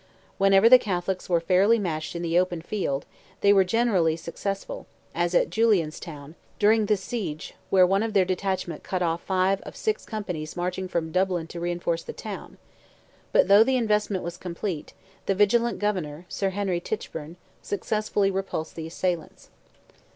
Whenever the Catholics were fairly matched in the open field, they were generally successful, as at Julianstown, during this siege, where one of their detachments cut off five out of six companies marching from Dublin to reinforce the town; but though the investment was complete, the vigilant governor, Sir Henry Tichburne, successfully repulsed the assailants.